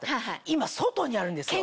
今外にあるんですよ。